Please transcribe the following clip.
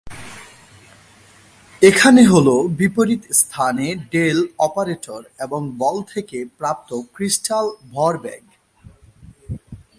এখানে হল বিপরীত স্থানে ডেল অপারেটর এবং বল থেকে প্রাপ্ত ক্রিস্টাল ভরবেগ।